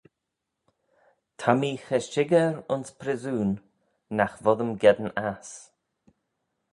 Ta mee cha shickyr ayns pryssoon: nagh voddym geddyn ass.